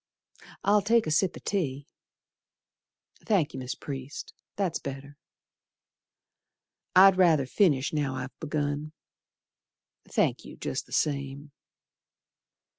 I'll take a sip o' tea. Thank you, Mis' Priest, that's better. I'd ruther finish now I've begun. Thank you, jest the same.